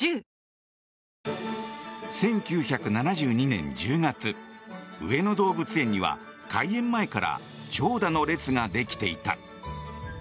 １９７２年１０月上野動物園には開園前から長蛇の列ができていた。